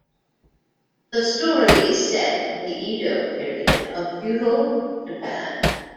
The story is set in the Edo period of feudal Japan.